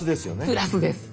プラスです。